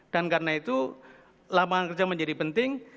dan karena itu lapangan kerja menjadi penting